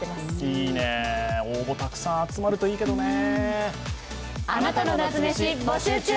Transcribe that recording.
いいね、応募たくさん集まるといいけどね。